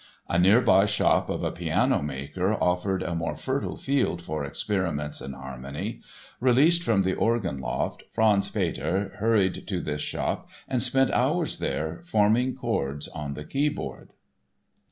A nearby shop of a piano maker offered a more fertile field for experiments in harmony. Released from the organ loft Franz Peter hurried to this shop and spent hours there forming chords on the keyboard.